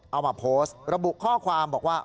เอามาโพสต์ระบุข้อความบอกว่า